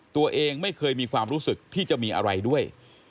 ตัวเองไม่เคยมีความรู้สึกที่จะมีอะไรด้วย